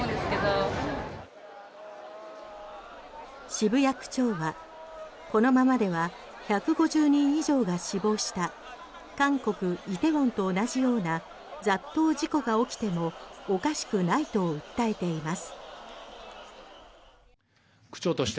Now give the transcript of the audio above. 渋谷区長は、このままでは１５０人以上が死亡した韓国・梨泰院と同じような雑踏事故が起きてもおかしくないと訴えています。